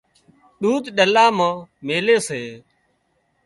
ۮود ڏلا مان ميلي سي